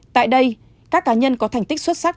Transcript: tại đây các cá nhân có thành tích xuất sắc